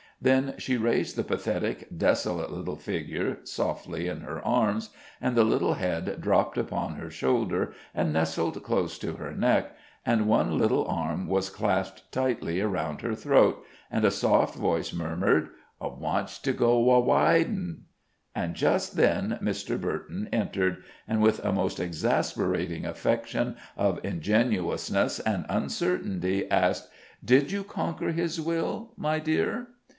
Then she raised the pathetic, desolate little figure softly in her arms, and the little head dropped upon her shoulder and nestled close to her neck, and one little arm was clasped tightly around her throat, and a soft voice murmured: "I wantsh to go a'widin'." And just then Mr. Burton entered, and, with a most exasperating affection of ingenuousness and uncertainty, asked: "Did you conquer his will, my dear?"